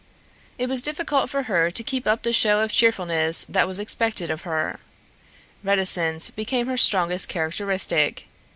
It was difficult for her to keep up the show of cheerfulness that was expected of her. Reticence became her strongest characteristic.